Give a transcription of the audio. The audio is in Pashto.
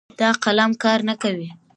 دا قلم کار نه کوي